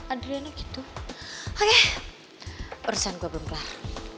adriana gitu oke urusan gue belum kelar